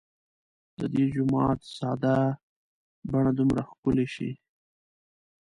د دې جومات ساده بڼه دومره ښکلې شي.